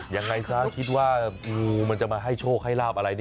ยังไงซะคิดว่างูมันจะมาให้โชคให้ลาบอะไร